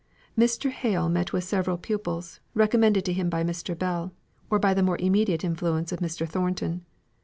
Mr. Hale met with several pupils, recommended to him by Mr. Bell, or by the more immediate influence of Mr. Thornton.